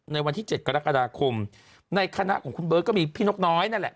ในวันที่๗กรกฎาคมในคณะของคุณเบิร์ตก็มีพี่นกน้อยนั่นแหละ